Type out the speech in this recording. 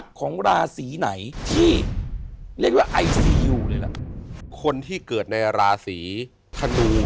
คนที่เกิดในราศีธนูย์